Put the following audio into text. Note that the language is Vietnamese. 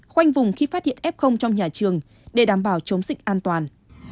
khoanh vùng khi phát hiện f trong nhà trường để đảm bảo chống dịch an toàn